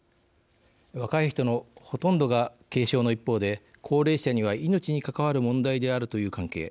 若い人のほとんどが軽症の一方で高齢者には命に関わる問題であるという関係